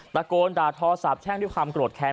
ตะโกนด่าทอสาบแช่งด้วยความโกรธแค้น